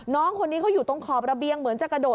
น้องคนนี้เขาอยู่ตรงขอบระเบียงเหมือนจะกระโดด